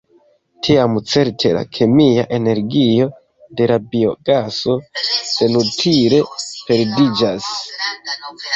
Tiam certe la kemia energio de la biogaso senutile perdiĝas.